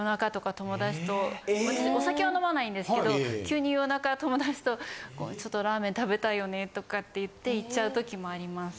私お酒は飲まないんですけど急に夜中友達と「ちょっとラーメン食べたいよね」とかって言って行っちゃう時もあります。